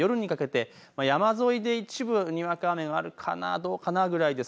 夜にかけて山沿いで一部にわか雨があるかなどうかなぐらいです。